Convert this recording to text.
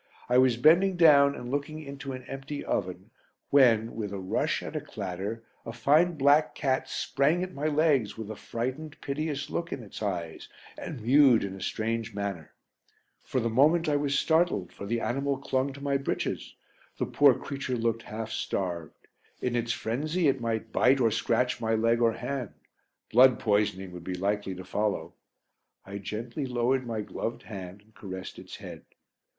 I was bending down and looking into an empty oven when, with a rush and a clatter, a fine black cat sprang at my legs with a frightened, piteous look in its eyes, and mewed in a strange manner. For a moment I was startled, for the animal clung to my breeches. The poor creature looked half starved. In its frenzy, it might bite or scratch my leg or hand. Blood poisoning would be likely to follow. I gently lowered my gloved hand and caressed its head.